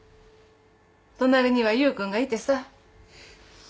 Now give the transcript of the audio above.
隣には優君がいてさ。